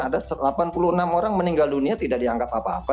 ada delapan puluh enam orang meninggal dunia tidak dianggap apa apa